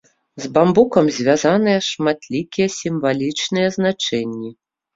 З бамбукам звязаныя шматлікія сімвалічныя значэнні.